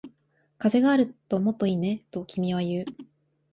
風があるともっといいね、と君は言う